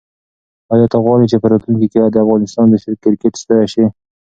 آیا ته غواړې چې په راتلونکي کې د افغانستان د کرکټ ستوری شې؟